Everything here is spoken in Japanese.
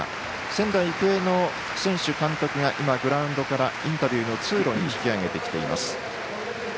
仙台育英の選手、監督が今、グラウンドからインタビューの通路に引き揚げてきています。